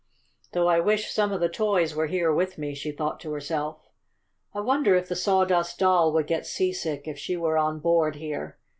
"Though I wish some of the toys were here with me," she thought to herself. "I wonder if the Sawdust Doll would get seasick if she were on board here.